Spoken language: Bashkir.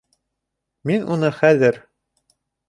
Мин уны хәҙер...